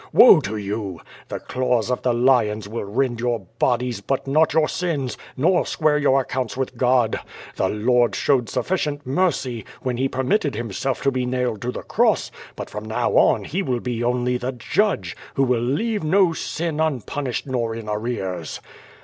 Woe to you! The claws of the lions will rend your bodies but not your sins^ nor square your accounts with God. QVO VADT8, 405 The Lord showed sufficient mercy, when He permitted Him self to be nailed to the cross; but from now on He will be only the Judge, who will leave no sin unpunished nor in arrears."